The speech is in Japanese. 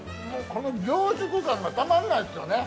この凝縮感がたまんないっすよね。